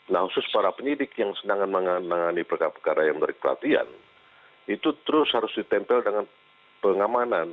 nah khusus para penyidik yang sedang menangani perkara perkara yang memberi pelatihan itu terus harus ditempel dengan pengamanan